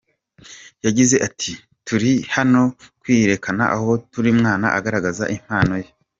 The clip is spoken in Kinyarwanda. Yagize ati: “Turi hano kwiyerekana aho buri mwana agaragaza impano ye.